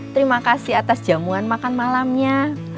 terima kasih atas jamuan makan malamnya